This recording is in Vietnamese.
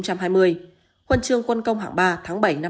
tháng một mươi hai năm hai nghìn hai mươi